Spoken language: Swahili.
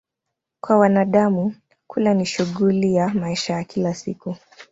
Kwa wanadamu, kula ni shughuli ya maisha ya kila siku.